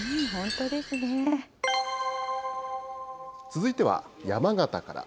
続いては、山形から。